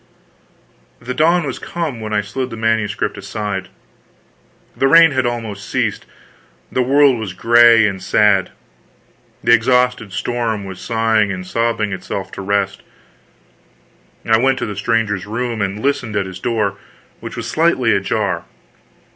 The dawn was come when I laid the Manuscript aside. The rain had almost ceased, the world was gray and sad, the exhausted storm was sighing and sobbing itself to rest. I went to the stranger's room, and listened at his door, which was slightly ajar.